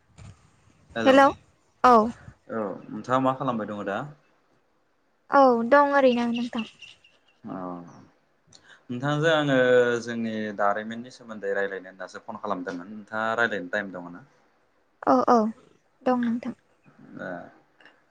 [inaudible] Hello औ नोंथाङा मा खालामबाय दङ दा औ दं ओरैनो नोंथां अ नोंथांजों आङो जोंनि दारिमिननि सोमोन्दै रायलायनो होननासो फन खालामदोंमोन नोंथाङा राय्लायनो टाइम दङ ना औ औ दं नोंथां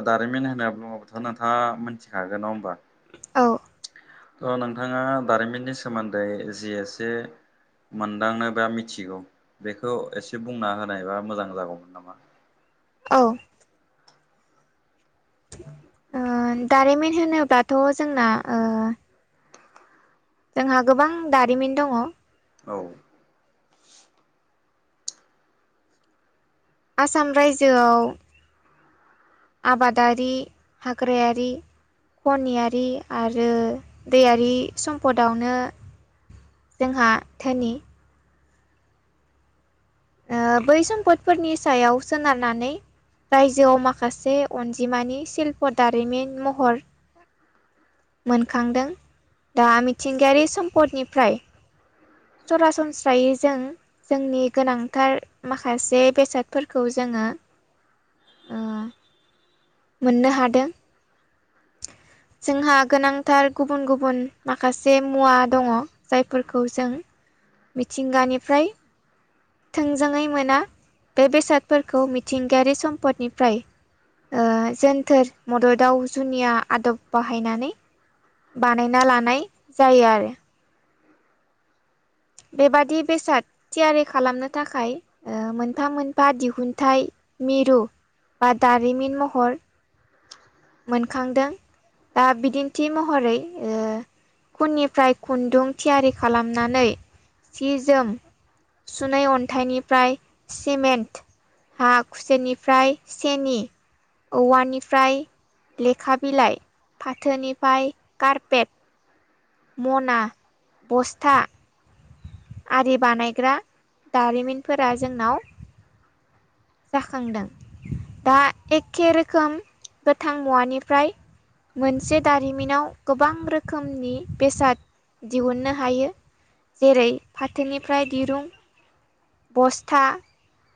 ए दारिमिन होनना बुङाबथ' नोंथाङा मिथिखागोन नङा होनोमबा औ थ नोंथाङा दारिमिननि सोमोन्दै जि एसे मोनदांनो बा मिथिगौ बेखौ एसे बुंना होनायबा मोजां जागौमोन नामा औ दारिमिन होनोब्लाथ जोंना ओ जोंहा गोबां दारिमिन दङ औ आसाम रायजोआव आबादारि हाग्रायारि खनियारि आरो दैयारि सम्पदावनो जोंहा धोनि बै सम्फदफोरनि सायाव सोनारनानै रायजोआव माखासे अनजिमानि सिल्प' दारिमिन महर मोनखांदों दा मिथिंगायारि सम्पदनिफ्राय सरासनस्रायै जों जोंनि गोनांथार माखासे बेसादफोरखौ जोङो ओ मोननो हादों जोंहा गोनांथार गुबुन गुबुन माखासे मुवा दङ जायफोरखौ जों मिथिंगानिफ्राय थोंजोङै मोना बे बेसादफोरखौ मिथिंगायारि सम्पदनिफ्राय जोनथोर मददाव जुनिया आदब बाहायनानै बानायना लानाय जायो आरो बेबादि बेसाद थियारि खालामनो थाखाय मोनफा मोनफा दिहुनथाइ मिरु बा दारिमिन महर मोनखांदों दा बिदिन्थि महरै खुननिफ्राय खुन्दुं थियारि खालामनानै सि जोम सुनै अन्थाइनिफ्राय सिमेन्ट हा खुसेनिफ्राय सेनि औवानिफ्राय लेखा बिलाइ फाथोनिफ्राय कारपेट मना बस्था आरि बानायग्रा दारिमिनफोरा जोंनाव जाखांदों दा एखे रोखोम गोथां मुवानिफ्राय मोनसे दारिमिनाव गोबां रोखोमनि बेसाद दिहुननो हायो जेरै फाथोनिफ्राय दिरुं बस्था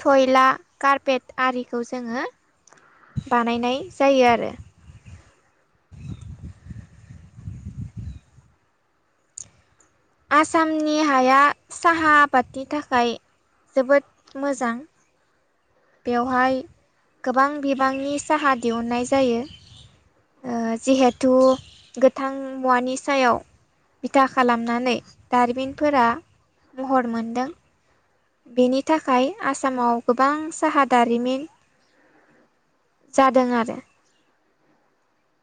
थयला कारपेट आरिखौ जोङो बानायनाय जायो आरो। आसामनि हाया साहा आबादनि थाखाय जोबोद मोजां। बेवहाय गोबां बिबांनि साहा दिहुननाय जायो। ओ जिहेथु गोथां मुवानि सायाव बिथा खालामनानै दारिमिनफोरा महर मोनदों बेनि थाखाय आसामाव गोबां साहा दारिमिन जादों आरो।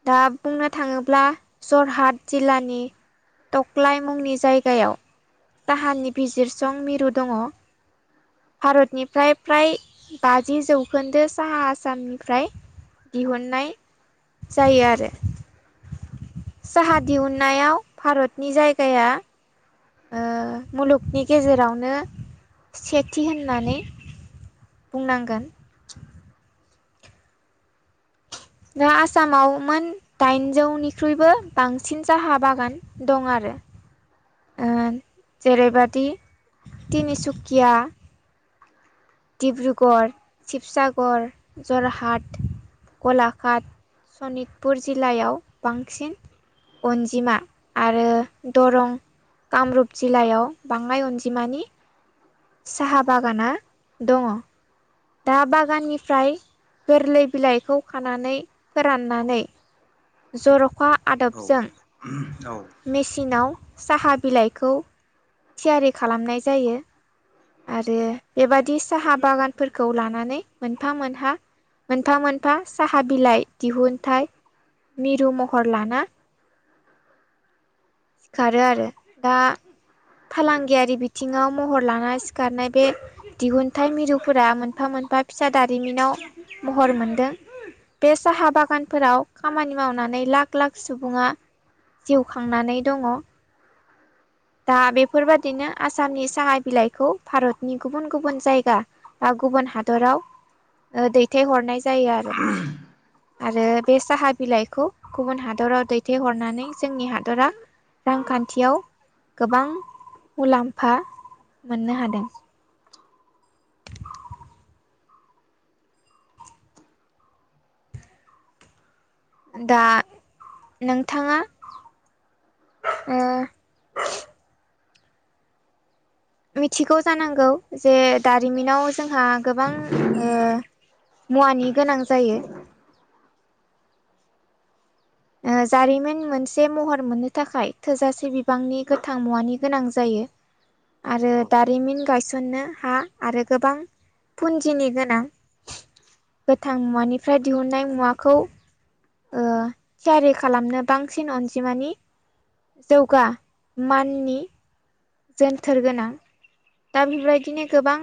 दा बुंनो थाङोब्ला जरहाट जिल्लानि टक्लाय मुंनि जायगायाव काहानि बिजिरसं मिरु दङ। भारतनिफ्राय फ्राय बाजि जौखोन्दो साहा आसामनिफ्राय दिहुननाय जायो आरो। साहा दिहुुननायाव भारतनि जायगाया ओ मुलुगनि गेजेरावनो सेथि होननानै बुंनांगोन। दा आसामाव मोन दाइनजौनिख्रुइबो बांसिन साहा बागान दं आरो। ओ जेरैबादि तिनिसुकिया डिब्रुगर शिबसागर जरहाट गलाघाट सनितपुर जिल्लायाव बांसिन अनजिमा आरो दरं कामरुप जिल्लायाव बाङाय अनजिमानि साहा बागाना दङ। दा बागाननिफ्राय गोरलै बिलाइखौ खानानै फोराननानै जर'खा औ आदबजों औ मेसिनाव साहा बिलाइखौ थियारि खालामनाय जायो। आरो बेबादि साहा बागानफोरखौ लानानै मोनफा मोनहा मोनफा मोनफा साहा बिलाइ दिहुनथाइ मिरु महर लाना खारो आरो दा फालांगियारि बिथिङाव महर लाना सिखारनाय बे दिहुनथाइ मिरुफोरा मोनफा मोनफा फिसा दारिमिनाव महर मोनदों। बे साहा बागानफोराव खामानि मावनानै लाख लाख सुबुङा जिउ खांनानै दङ। दा बेफोरबादिनो आसामनि साहा बिलाइखौ भारतनि गुबुन गुबुन जायगा बा गुबुन हादराव ओ दैथायहरनाय जायो आरो। आरो बे साहा बिलाइखौ गुबुन हादराव दैथायहरनानै जोंनि हादरा - रांखान्थियाव गोबां मुलाम्फा मोननो हादों। [inaudible] दा नोंथाङा उम मिथिगौ जानांगौ जे दारिमिनाव जोंहा गोबां ओ मुवानि गोनां जायो। ओ जारिमिन मोनसे महर मोननो थाखाय थोजासे बिबांनि गोथां मुवानि गोनां जायो। आरो दारिमिन गायसननो हा आरो गोबां फुन्जिनि गोनां। [inaudible] गोथां मुवानिफ्राय दिहुननाय मुवाखौ ओ थियारि खालामनो बांसिन अनजिमानि जौगा माननि जोनथोर गोनां। दा बेबायदिनो गोबां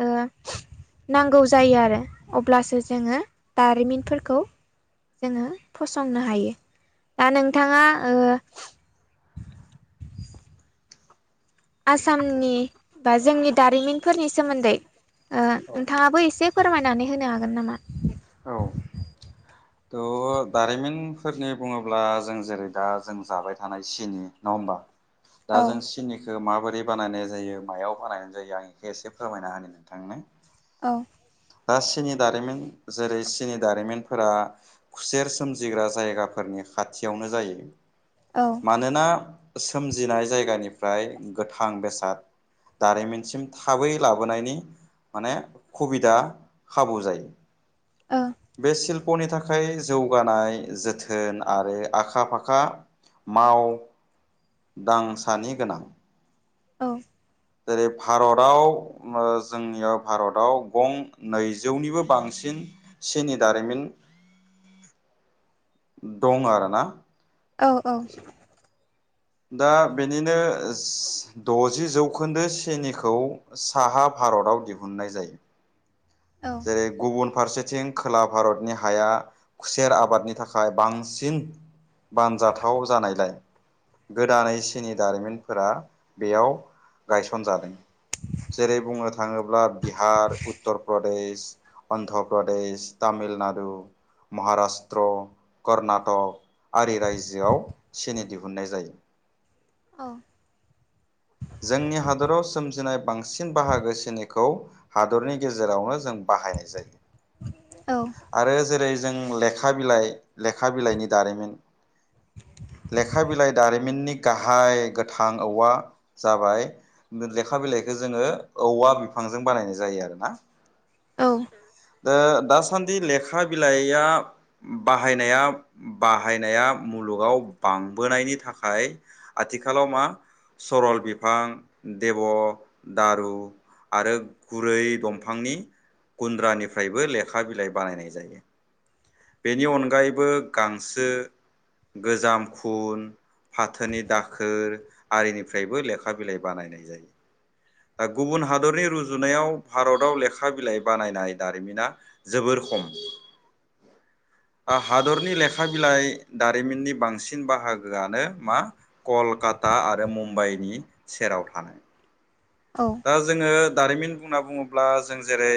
ओ नांगौ जायो आरो अब्लासो जोङो दारिमिनफोरखौ जोङो फसंनो हायो। दा नोंथाङा ओ आसामनि बा जोंनि दारिमिनफोरनि सोमोन्दै ओ औ नोंथाङाबो एसे फोरमायनानै होनो हागोन नामा? औ थह दारिमिनफोरनि बुङोब्ला जों जेरै दा जों जाबाय थानाय सिनि नङा होमबा? दा औ जों सिनि बेखो माबोरै बानायनाय जायो मायाव बानायनाय जायो आं बेखौ एसे फोरमायना होनो नोंथांनो। औ। दा सिनि दारिमिन जेरै सिनि दारिमिनफोरा खुसेर सोमजिग्रा जायगाफोरनि खाथियावनो जायो। औ। मानोना सोमजिनाय जायगानिफ्राय गोथां बेसाद दारिमिनसिम थाबै लाबोनायनि माने खुबिदा खाबु जायो। ओ। बे शिल्प'नि थाखाय जौगानाय जोथोन आरो आखा फाखा माव दांसानि गोनां। औ जेरै भारतआव ओ जोंनियाव भारतआव गं नैजौनिबो बांसिन सेनि दारिमिन दं आरोना। औ औ। दा बेनिनो द'जि जौखोन्दो सेनिखौ साहा भारताव दिहुननाय जायो। औ जेरै गुबुन फारसेथिं खोला भारतनि हाया खुसेर आबादनि थाखाय बांसिन बानजाथाव जानायलाय गोदानै सिनि दारिमिनफोरा बेयाव गायसनजादों। जेरै बुंनो थाङोब्ला बिहार, उत्तर प्र देश, अन्ध्र प्रदेश, तामिलनाडु, महाराष्ट्र, कर्नाटक आरि रायजोआव सेनि दिहुनन्नाय जायो। औ जोंनि हादराव सोमजिनाय बांसिन बाहागो सिनिखौ हादरनि गेजेरावनो जों बाहायनाय जायो। औ। आरो जेरै जों लेखा बिलाइ लेखा बिलाइनि दारिमिन। लेखा बिलाइ दारिमिननि गाहाय गोथां औवा जाबाय लेखा बिलाइखौ जोङो औवा बिफांजों बानायनाय जायो आरो ना। औ दा दासान्दि लेखा बिलाइआ बाहायनाया बाहायनाया मुलुगाव बांबोनायनि थाखाय आथिखालाव मा सरल बिफां, देब' दारु आरो गुरै दंफांनि गुन्द्रानिफ्रायबो लेखा बिलाइ बानायनाय जायो। बेनि अनगायैबो गांसो गोजाम खुन फाथोनि दाखोर आरिनिफ्रायबो लेखा बिलाइ बानायनाय जायो। दा गुबुन हादरनि रुजुनायाव भारताव लेखा बिलाइ बानायनाय दारिमिना जोबोर खम। हादरनि लेखा बिलाइ दारिमिननि बांसिन बाहागोआनो मा कलकाता आरो मुम्बाइनि सेराव थानाय। औ। दा जोङो दारिमिन बुंना बुङोब्ला जों जेरै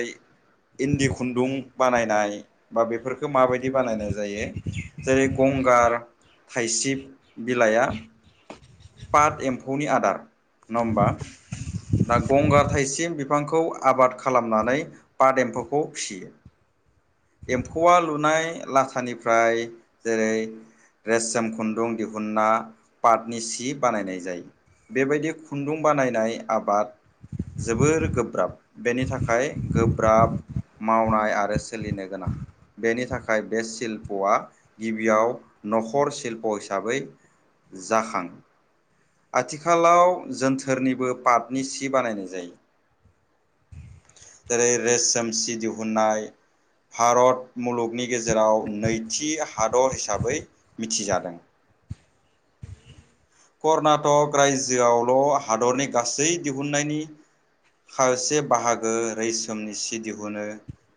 इन्दि खुन्दुं बानायनाय बा बेफोरखो माबायदि बानायनाय जायो जेरै गंगार थाइसिब बिलाइया पाट एम्फौनि आदार न होमबा दा गंगार थाइसिम बिफांखौ आबाद खालामनानै पाद एम्फौखौ फिसियो एम्फौवा लुनाय लाथानिफ्राय जेरै रेशम खुन्दुं दिहुुनना पाटनि सि बानायनाय जायो बेबायदि खुन्दुं बानायनाय आबाद जोबोर गोब्राब बेनि थाखाय गोब्राब मावनाय आरो सोलिनो गोनां बेनि थाखाय बे शिल्पआ गिबियाव नखर शिल्प हिसाबै जाखां आथिखालाव जोनथोरनिबो पाटनि सि बानायनाय जायो जेरै रेसम सि दिहुननाय भारत मुलुगनि गेजेराव नैथि हादर हिसाबै मिथिजादों कर्नाटक रायजोआवल' हादरनि गासै दिहुननायनि खारसे बाहागो रैसोमनि सि दिहुनो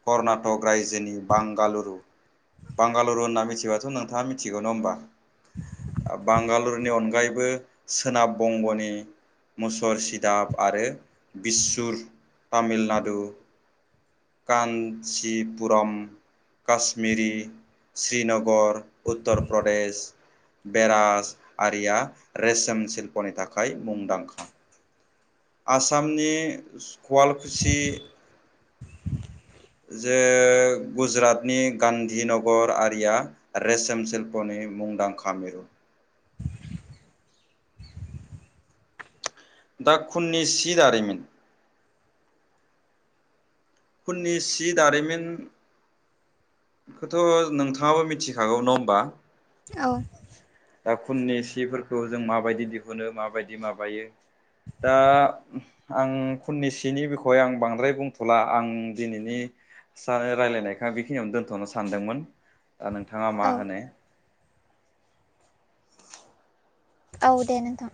कर्नाटक रायजोनि बांगालुरु बांगालुरु होनना मिथिबाथ नोंथाङा मिथिगौ नङा होमबा बांगालुरुनि अनगायैबो बो सोनाब बंगनि मुसर सिदाब आरो बिसुर तामिलनाडु कान्चिपुरम काश्मिरि श्रीनगर उत्तर प्रदेश बेराजआरिया रेशन शिल्पनि थाखाय मुंदांखा आसामनि सु कवालकुसि [inaudible] जे गुजरातनि गान्धीनगर आरिया रेशोम शिल्पनि मुंदांखा मिरु दा खुननि सि दारिम खुननि सि दारिमिन खोथ' नोंथाङाबो मिथिखागौ न होमबा औ दा खुननि सिफोरखौ जों माबायदि दिहुनो माबायदि माबायो दा आं खुननि‌ सिनि बिखय आं बांद्राय बुंथ'ला आं दिनैनि सानो रायलायनायखो आं बेखिनियावनो दोनथ'नो सानदोंमोन ओ नोंथाङा औ मा होनो औ दे नोंथां